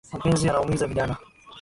Mapenzi yanaumiza vijana